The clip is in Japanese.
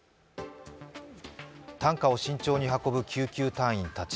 担架を慎重に運ぶ救急隊員たち。